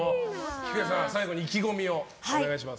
喜久恵さん最後に意気込みをお願いします。